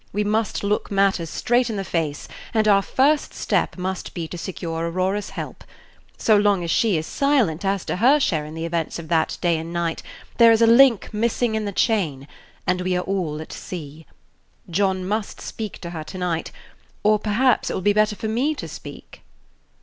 We must look matters straight in the face, and our first step must be to secure Aurora's help. So long as she is silent as to her share in the events of that day and night, there is a link missing in the chain, and we are all at sea. John must speak to her to night; or perhaps it will be better for me to speak."